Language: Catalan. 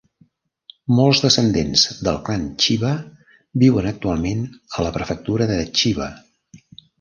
Molts descendents del clan Chiba viuen actualment a la prefectura de Chiba.